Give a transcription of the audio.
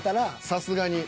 さすがに。